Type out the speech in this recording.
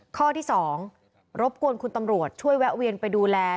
ข้อที่๒รบกวนคุณตำรวจช่วยแวะเวียนไปดูแล